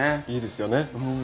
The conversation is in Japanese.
いいですよね。